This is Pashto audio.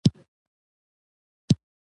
پدې مرحله کې د بکټریاوو شمېر په چټکۍ کمیږي.